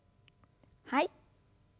はい。